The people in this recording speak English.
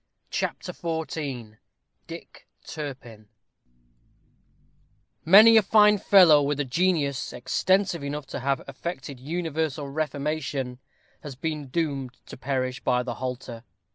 CHAPTER XIV DICK TURPIN Many a fine fellow with a genius extensive enough to have effected universal reformation has been doomed to perish by the halter.